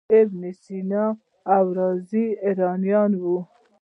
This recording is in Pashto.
ابن سینا او رازي ایرانیان وو.